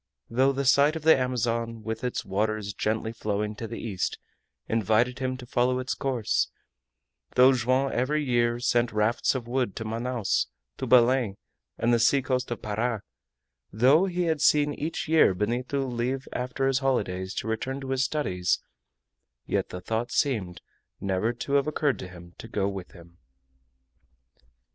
Though the sight of the Amazon, with its waters gently flowing to the east, invited him to follow its course; though Joam every year sent rafts of wood to Manaos, to Belem, and the seacoast of Para; though he had seen each year Benito leave after his holidays to return to his studies, yet the thought seemed never to have occurred to him to go with him.